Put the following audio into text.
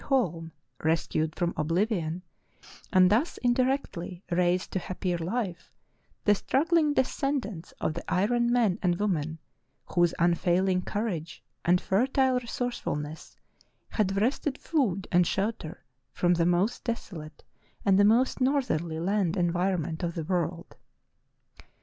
Holm rescued from oblivion, and thus indirectly raised to hap pier life, the struggling descendants of the iron men and 338 True Tales of Arctic Heroism women whose unfailing courage and fertile resource fulness had wrested food and shelter from the most desolate and the most northerly land environment of the world.